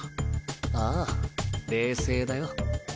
ああ冷静だよ。